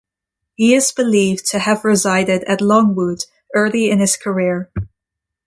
He is believed to have resided at Longwood early in his career.